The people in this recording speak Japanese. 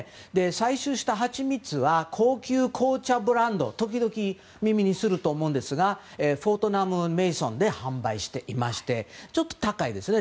採取したハチミツは高級紅茶ブランド時々耳にすると思いますがフォートナム＆メイソンで販売していましてちょっと高いですね。